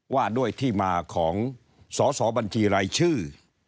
ว่าด้วยที่มาของสอสอบัญชีรายชื่อ